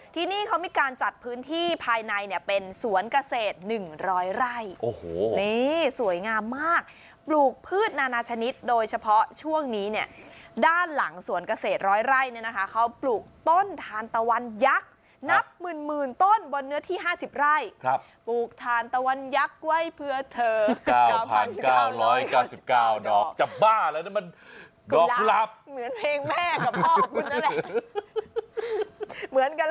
ที่นี่เขามีการจัดพื้นที่ภายในเนี่ยเป็นสวนเกษตร๑๐๐ไร่โอ้โหนี่สวยงามมากปลูกพืชนานาชนิดโดยเฉพาะช่วงนี้เนี่ยด้านหลังสวนเกษตรร้อยไร่เนี่ยนะคะเขาปลูกต้นทานตะวันยักษ์นับหมื่นต้นบนเนื้อที่๕๐ไร่ปลูกทานตะวันยักษ์ไว้เพื่อเธอ๙๙ดอกจะบ้าแล้วนะมันหลับเหมือนเพลงแม่กับพ่อคุณนั่นแหละ